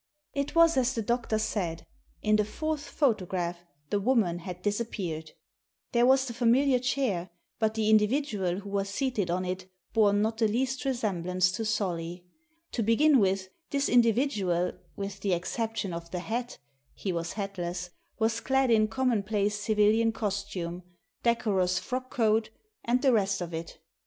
It was as the doctor said. In the fourth photo graph the woman had disappeared. There was the Digitized by VjOOQIC 32 THE SEEN AND THE UNSEEN familiar chair, but the individual who was seated on it bore not the least resemblance to Solly. To begin with, this individual, with the exception of the hat — ^he was hatless — was clad in commonplace civilian costume, decorous frock coat, and the rest of it.